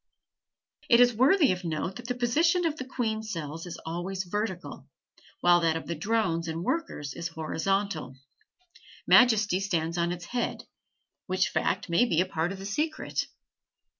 It is worthy of note that the position of the queen cells is always vertical, while that of the drones and workers is horizontal; majesty stands on its head, which fact may be a part of the secret.